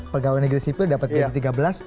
pegawai negeri sipil dapat p tiga belas